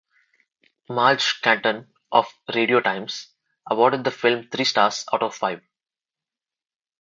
Maj Canton of "Radio Times" awarded the film three stars out of five.